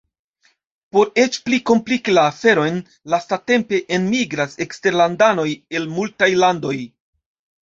Por eĉ pli kompliki la aferon, lastatempe enmigras eksterlandanoj el multaj landoj.